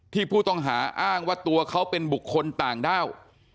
ผู้ต้องหาอ้างว่าตัวเขาเป็นบุคคลต่างด้าว